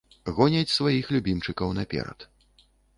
Гоняць сваіх любімчыкаў наперад.